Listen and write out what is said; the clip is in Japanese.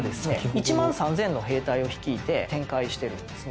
１万３０００の兵隊を率いて展開してるんですね。